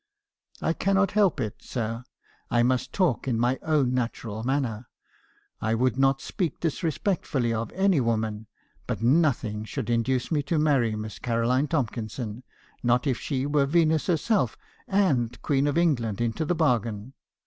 " 'I cannot help it, sir; I must talk in my own natural manner. I would not speak disrespectfully of any woman; but nothing should induce me to marry Miss Caroline Tomkin son; not if she were Venus herself, and Queen of England into the bargain.